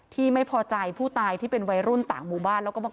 ที่ไม่พอใจผู้ตายที่เป็นวัยรุ่นต่างหมู่บ้านแล้วก็มา